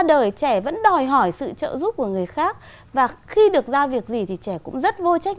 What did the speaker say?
đời trẻ vẫn đòi hỏi sự trợ giúp của người khác và khi được ra việc gì thì trẻ cũng rất vô trách